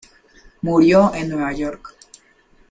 Murió en Nueva York.